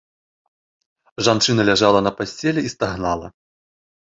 Жанчына ляжала на пасцелі і стагнала.